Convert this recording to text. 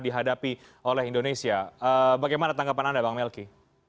dihadapi oleh indonesia bagaimana tanggapan anda bang melki